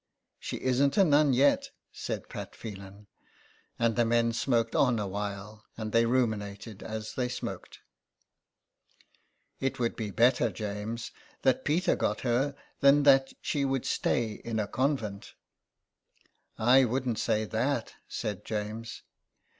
" She isn't a nun yet," said Pat Phelan. And the men smoked on a while, and they ruminated as they smoked. 134 THE EXILE. "It would be better, James, that Peter got her than that she would stay in a convent.'' '' I wouldn't say that," said James.